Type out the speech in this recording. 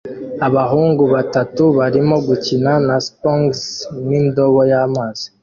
Abahungu batatu barimo gukina na sponges n'indobo y'amazi